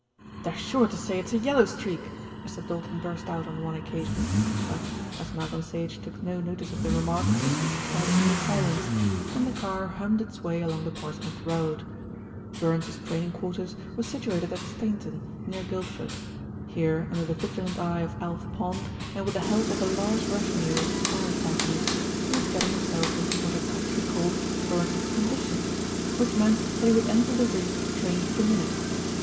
"They're sure to say it's a yellow streak," Mr. Doulton burst out on one occasion; but, as Malcolm Sage took no notice of the remark, he subsided into silence, and the car hummed its way along the Portsmouth Road. Burns's training quarters were situated at Stainton, near Guildford. Here, under the vigilant eye of Alf Pond, and with the help of a large retinue of sparring partners, he was getting himself into what had come to be called "Burns's condition," which meant that he would enter the ring trained to the minute.